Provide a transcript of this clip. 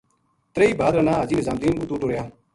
ترئی بھادرا نا حاجی نظام دین اتو ٹریا۔